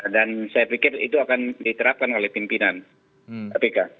dan saya pikir itu akan diterapkan oleh pimpinan apk